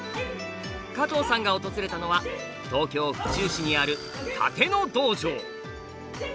加藤さんが訪れたのは東京府中市にある殺陣の道場。